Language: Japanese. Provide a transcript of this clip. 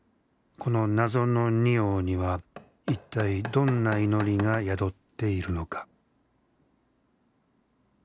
この謎の仁王には一体どんな祈りが宿っているのか。